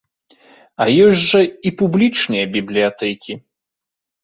А ёсць жа і публічныя бібліятэкі.